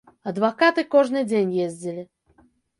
Адвакаты кожны дзень ездзілі.